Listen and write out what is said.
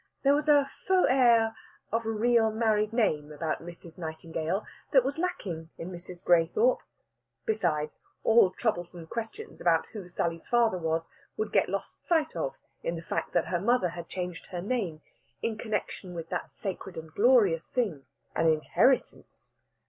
There was a faux air of a real married name about Mrs. Nightingale that was lacking in Mrs. Graythorpe. Besides, all troublesome questions about who Sally's father was would get lost sight of in the fact that her mother had changed her name in connexion with that sacred and glorious thing, an inheritance.